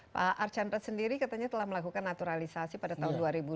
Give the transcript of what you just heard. pak archan ratahar sendiri katanya telah melakukan naturalisasi pada tahun dua ribu dua belas